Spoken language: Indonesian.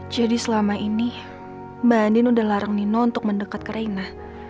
jadi selama ini mbak andien udah larang nino untuk mendekat ke reina